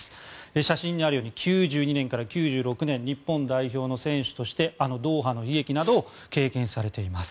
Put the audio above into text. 写真にあるように９２年から９６年日本代表の選手としてあのドーハの悲劇などを経験されています。